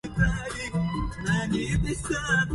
كانت ليلى عائدة إلى القاهرة.